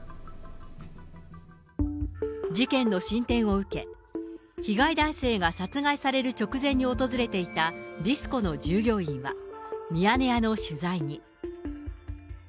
事件の進展を受け、被害男性が殺害される直前に訪れていたディスコの従業員は、ミヤネ屋の取材に。